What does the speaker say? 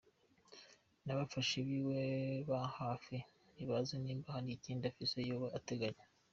N'abafasha biwe ba hafi, ntibazi nimba hari ikindi afise yoba ateganya.